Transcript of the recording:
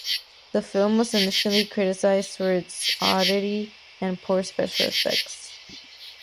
The film was initially criticized for its oddity and poor special effects.